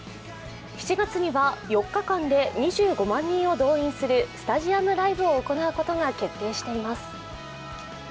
７月には４日間で２５万人を動員するスタジアムライブを行うことが決定しています。